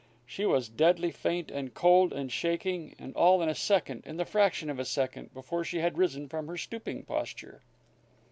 She was deadly faint and cold and shaking, and all in a second, in the fraction of a second, before she had risen from her stooping posture.